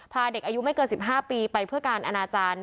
พาเด็กอายุไม่เกิน๑๕ปีไปเพื่อการอนาจารย์